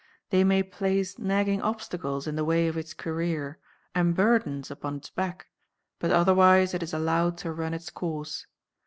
They may place nagging obstacles in the way of its career, and burdens upon its back; but otherwise it is allowed to run its course.